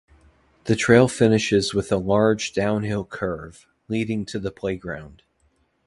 The trail finishes with a large downhill curve, leading to the playground.